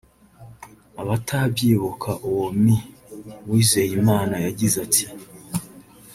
Abatabyibuka uwo Me Uwizeyimana yagize ati